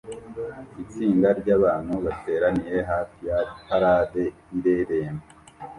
Itsinda ryabantu bateraniye hafi ya parade ireremba